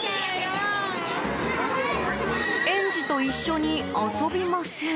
園児と一緒に遊びません。